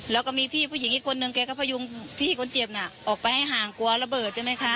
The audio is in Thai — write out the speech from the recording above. แล้วก็มีพี่ผู้หญิงอีกคนนึงแกก็พยุงพี่คนเจ็บน่ะออกไปให้ห่างกลัวระเบิดใช่ไหมคะ